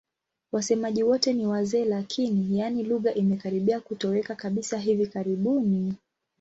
Wasemaji wote ni wazee lakini, yaani lugha imekaribia kutoweka kabisa hivi karibuni.